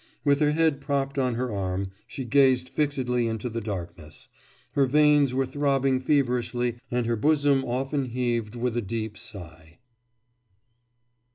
With her head propped on her arm, she gazed fixedly into the darkness; her veins were throbbing feverishly and her bosom often heaved with a deep sigh.